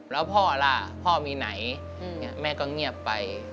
แล้วพ่อล่ะพ่อมีไหนแม่ก็เงียบไป